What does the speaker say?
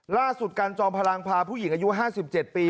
ล่าสุดการจอมพลังพาผู้หญิงอายุ๕๗ปี